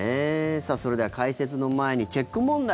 それでは解説の前にチェック問題